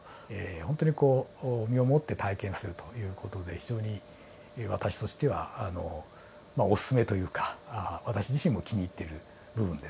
ほんとにこう身をもって体験するという事で非常に私としてはおすすめというか私自身も気に入っている部分です。